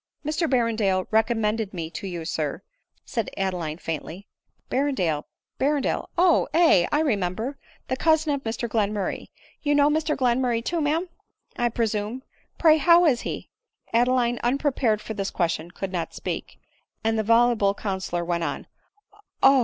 ' "Mr Berrendale recommended me to you, sir," said Adeline faintly. " Berrendale, Berrendale, O, aye— I remember — the cousin of Mr Glenmurray ; you know Mr Glenmurray too, ma'am, I presume ; pray how is he ?" Adeline un prepared for this question, could not speak ; and the vol uble counsellor went on —" Oh